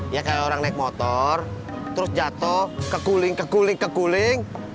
ya kayak orang naik motor terus jatuh keguling keguling keguling